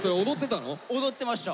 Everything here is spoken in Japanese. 踊ってました！